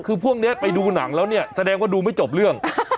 คือพวกนี้ไปดูหนังแล้วเนี่ยแสดงว่าดูไม่จบเรื่อง